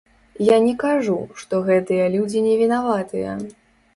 Я не кажу, што гэтыя людзі невінаватыя.